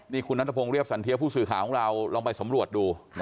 นี่คุณนัทพงศ์เรียบสันเทียผู้สื่อข่าวของเราลองไปสำรวจดู